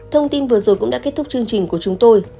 thông tin vừa rồi cũng đã kết thúc chương trình của chúng tôi